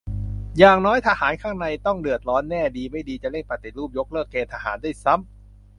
อย่างน้อยทหารข้างในต้องเดือดร้อนแน่ ดีไม่ดี จะเร่งปฏิรูปยกเลิกเกณฑ์ทหารด้วยซ้ำ